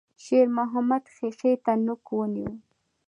شېرمحمد ښيښې ته نوک ونيو.